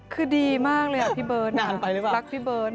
คือดีมากเลยอะพี่เบิร์นลักพี่เบิร์น